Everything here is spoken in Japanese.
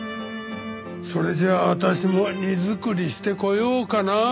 それじゃあ私も荷造りしてこようかな。